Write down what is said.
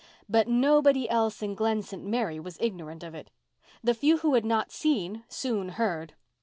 But nobody else in Glen St. Mary was ignorant of it. The few who had not seen soon heard.